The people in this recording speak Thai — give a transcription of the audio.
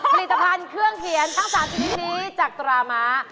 ผลิตภัณฑ์เครื่องเขียนทั้ง๓ชนิดนี้จากตราม้า